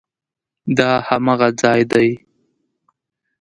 دا هماغه ځای دی؟